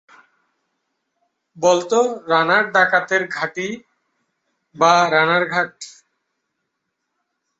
বলত রানার ডাকাতের ঘাঁটি বা রানার ঘাট।